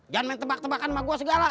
jangan main tebak tebakan sama gue segala